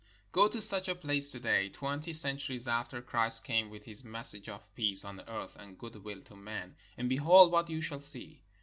Go to such a place to day, twenty centuries after Christ came with his message of peace on earth and good will to men, and behold what you shall see.